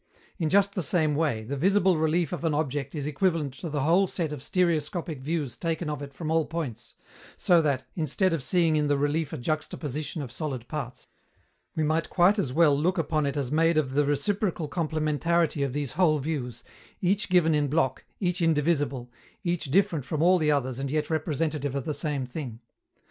In just the same way, the visible relief of an object is equivalent to the whole set of stereoscopic views taken of it from all points, so that, instead of seeing in the relief a juxtaposition of solid parts, we might quite as well look upon it as made of the reciprocal complementarity of these whole views, each given in block, each indivisible, each different from all the others and yet representative of the same thing.